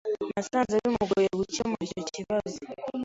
Nasanze bimugoye gukemura icyo kibazo.